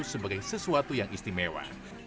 sebagai sesuatu yang istimewa